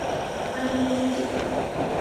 アニメ好き